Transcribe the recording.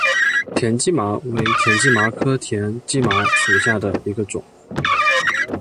田基麻为田基麻科田基麻属下的一个种。